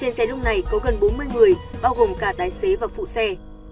trên xe lúc này có gần bốn mươi người bao gồm cả tài xế và phụ xe